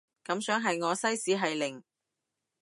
感想係我西史係零